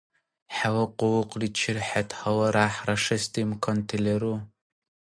ХӀела къуллукъличир хӀед гьаларяхӀ рашести имканти леру?